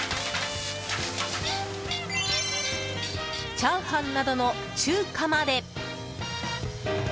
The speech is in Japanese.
チャーハンなどの中華まで。